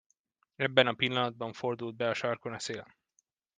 Ebben a pillanatban fordult be a sarkon a szél.